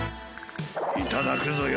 いただくぞよ。